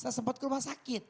saya sempat ke rumah sakit